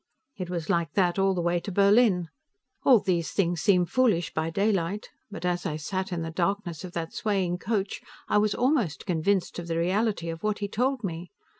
It was like that all the way to Berlin. All these things seem foolish, by daylight, but as I sat in the darkness of that swaying coach, I was almost convinced of the reality of what he told me.